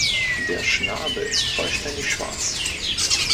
Der Schnabel ist vollständig schwarz.